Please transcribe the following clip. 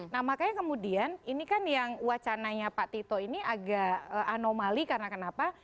nah makanya kemudian ini kan yang wacananya pak tito ini agak anomali karena kenapa